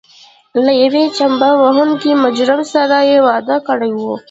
له یوې چمبه وهونکې مجرمې سره یې واده کړی و.